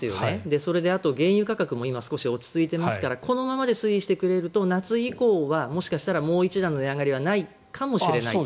それであと原油価格も今、少し落ち着いていますのでこのまま推移してくれると夏以降はもしかしたらもう１段の値上がりはないかもしれないと。